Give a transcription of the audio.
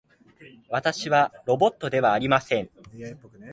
私はロボットではありません